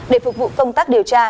để phục vụ công tác điều tra